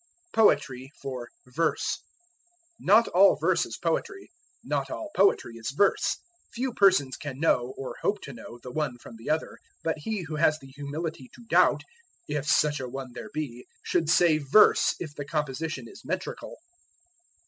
Poetry for Verse. Not all verse is poetry; not all poetry is verse. Few persons can know, or hope to know, the one from the other, but he who has the humility to doubt (if such a one there be) should say verse if the composition is metrical.